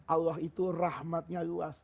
allah itu rahmatnya luas